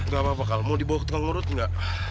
gapapa kal mau dibawa ke tengah ngurut ga